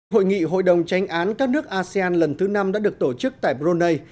hội nghị hội đồng tranh án các nước asean lần thứ năm đã được tổ chức tại brunei